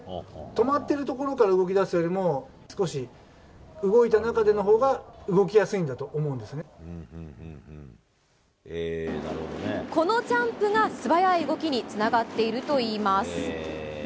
止まってるところから動きだすよりも、少し動いた中でのほうが動このジャンプが素早い動きにつながっているといいます。